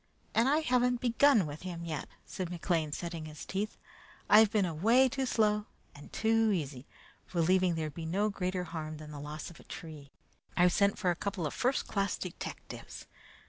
"And I haven't begun with him yet," said McLean, setting his teeth. "I've been away too slow and too easy, believing there'd be no greater harm than the loss of a tree. I've sent for a couple of first class detectives.